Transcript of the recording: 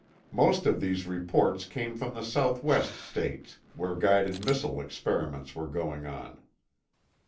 Most of these reports came from the southwest states, where guided missile experiments were going on.